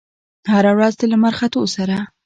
هره ورځ د لمر ختو سره